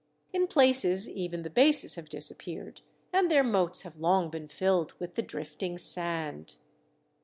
In places even the bases have disappeared, and their moats have long been filled with the drifting sand.